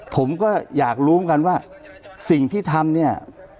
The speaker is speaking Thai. ผมก็อยากรู้กันว่าสิ่งที่ทำเนี่ย